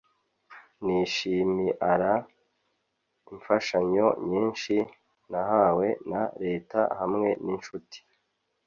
nishimiara imfashanyo nyinshi nahawe na leta hamwe n'incuti